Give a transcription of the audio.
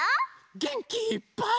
げんきいっぱい。